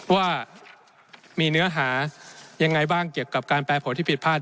ว่ามีเนื้อหายังไงบ้างเกี่ยวกับการแปรผลที่ผิดพลาด